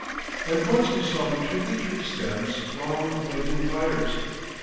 And once we saw between the tree stems long blazing fires.